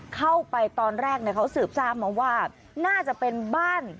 เข้าไปตอนแรกเขาสืบทราบมาว่าน่าจะเป็นบ้าน